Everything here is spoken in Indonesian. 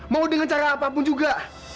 mau dengan cara apapun juga